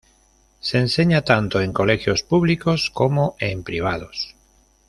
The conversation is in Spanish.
Se enseña tanto en colegios públicos, como en privados.